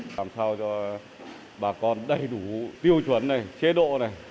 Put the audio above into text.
làm sao cho bà con đầy đủ tiêu chuẩn chế độ